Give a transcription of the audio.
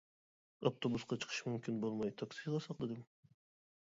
ئاپتوبۇسقا چىقىش مۇمكىن بولماي تاكسىغا ساقلىدىم.